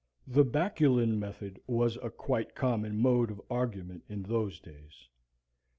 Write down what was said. The baculine method was a quite common mode of argument in those days.